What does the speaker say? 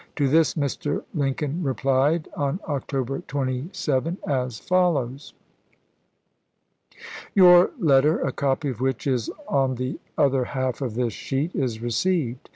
To this Mr. Lincoln replied, on October 27, as follows : "Your letter, a copy of which is on the other half of this sheet, is received.